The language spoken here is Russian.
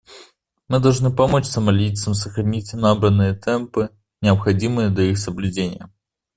Мы должны помочь сомалийцам сохранить набранные темпы, необходимые для их соблюдения.